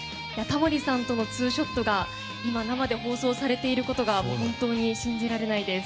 タモリさんとのツーショットが今、生で放送されていることが本当に信じられないです。